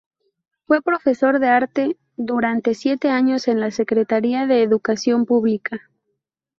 Fue profesor de arte durante siete años en la Secretaría de Educación Pública.